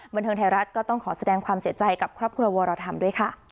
บันเทิงไทยรัฐก็ต้องขอแสดงความเสียใจกับครอบครัววรธรรมด้วยค่ะ